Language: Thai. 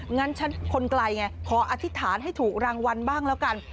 งั้นฉันคนไกลไงขออธิษฐานให้ถูกรางวัลบ้างแล้วกัน